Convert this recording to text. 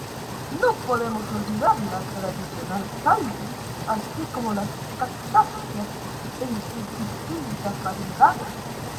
No podemos olvidar la tradicional salvia, así como las cactáceas en sus distintas variedades.